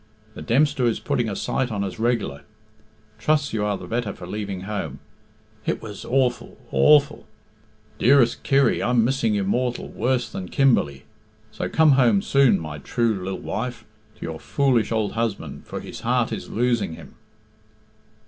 The Dempster is putting a sight on us regular trusts you are the better for leaving home. It was awful awful! _Dearest Kirry, I'm missing you mortal worse than Kimberley. So come home soon, my true lil wife, to your foolish ould husband, for his heart is losing him.